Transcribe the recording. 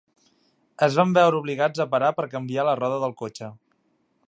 Es van veure obligats a parar per canviar la roda del cotxe.